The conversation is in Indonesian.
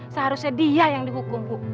seharusnya dia yang dihukum